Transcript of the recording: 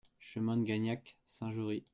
CHEMIN DE GAGNAC, Saint-Jory